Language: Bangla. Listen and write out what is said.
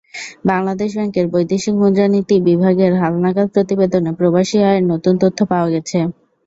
বাংলাদেশ ব্যাংকের বৈদেশিক মুদ্রানীতি বিভাগের হালনাগাদ প্রতিবেদনে প্রবাসী-আয়ের নতুন তথ্য পাওয়া গেছে।